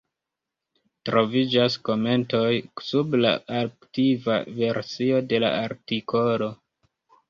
Troviĝas komentoj sub la arkivita versio de la artikolo.